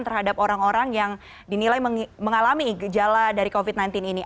terhadap orang orang yang dinilai mengalami gejala dari covid sembilan belas ini